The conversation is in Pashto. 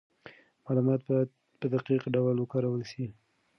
معلومات باید په دقیق ډول وکارول سي.